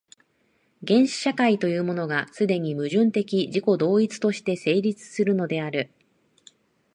原始社会というものが、既に矛盾的自己同一として成立するのである。